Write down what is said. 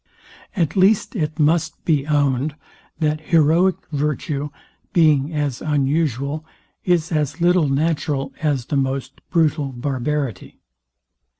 At least it must be owned, that heroic virtue, being as unusual, is as little natural as the most brutal barbarity.